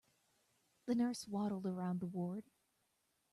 The nurse waddled around the ward.